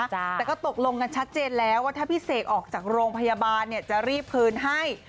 แต่ก็ตกลงกันชัดเจนแล้วว่าถ้าพี่เสกออกจากโรงพยาบาลเนี่ยจะรีบคืนให้